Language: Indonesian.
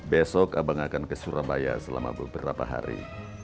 besok abang akan ke surabaya selama beberapa hari